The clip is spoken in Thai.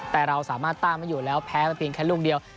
แต่เราสามารถตั้งมาอยู่แล้วแพ้มันเป็นแค่ลูกเดียว